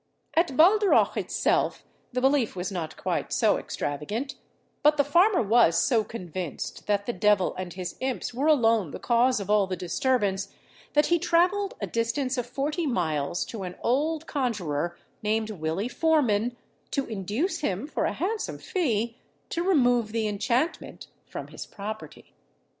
At Baldarroch itself the belief was not quite so extravagant; but the farmer was so convinced that the devil and his imps were alone the cause of all the disturbance, that he travelled a distance of forty miles to an old conjuror, named Willie Foreman, to induce him, for a handsome fee, to remove the enchantment from his property.